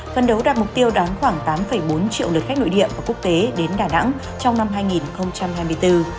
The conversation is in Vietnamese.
phân đấu đạt mục tiêu đón khoảng tám bốn triệu lượt khách nội địa và quốc tế đến đà nẵng trong năm hai nghìn hai mươi bốn